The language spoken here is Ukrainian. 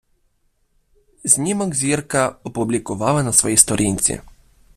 Знімок зірка опублікувала на своїй сторінці.